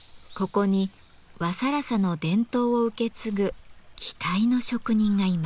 ここに和更紗の伝統を受け継ぐ期待の職人がいます。